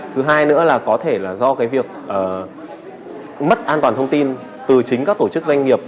thứ hai nữa là có thể là do cái việc mất an toàn thông tin từ chính các tổ chức doanh nghiệp